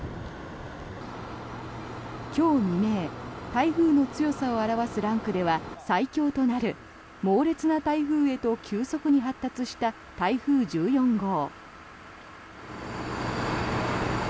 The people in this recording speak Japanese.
今日未明、台風の強さを表すランクでは最強となる猛烈な台風へと急速に発達した台風１４号。